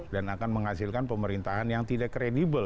dan akan menghasilkan pemerintahan yang tidak kredibel